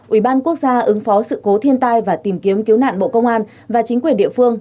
ủy ban quốc gia ứng phó sự cố thiên tai và tìm kiếm cứu nạn bộ công an và chính quyền địa phương